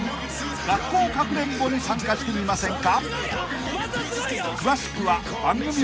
学校かくれんぼに参加してみませんか？］